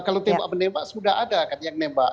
kalau tembak menembak sudah ada kan yang nembak